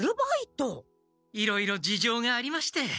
いろいろ事情がありまして。